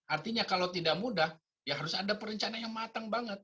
artinya kalau tidak mudah ya harus ada perencanaan yang matang banget